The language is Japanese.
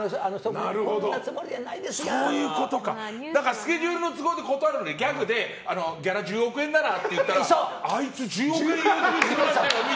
スケジュールの都合で断るのにギャグでギャラ１０億円ならって言ったらあいつ１０億円要求するやつだよおっしゃるとおり。